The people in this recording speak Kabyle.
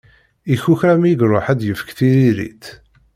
Ikukra mi iruḥ ad d-yefk tiririt.